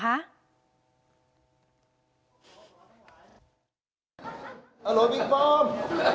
ฮาร์โหลบิ๊กป้อม